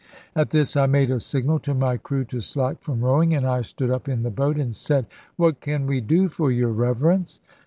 At this I made a signal to my crew to slack from rowing; and I stood up in the boat, and said, "What can we do for your Reverence?"